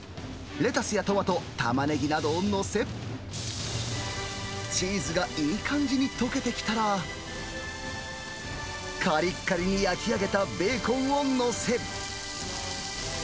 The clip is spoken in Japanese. レタスやトマト、タマネギなどを載せ、チーズがいい感じに溶けてきたら、かりっかりに焼き上げたベーコンを載せ。